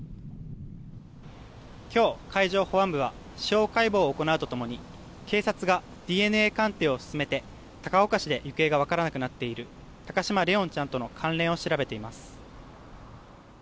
今日、海上保安部は司法解剖を行うと共に警察がＤＮＡ鑑定を進めて高岡市で行方が分からなくなっている高嶋怜音ちゃんとの関連を調べています。